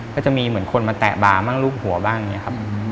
ก็จะมีเหมือนคนมาแตะบาร์บ้างรูปหัวบ้างอย่างนี้ครับ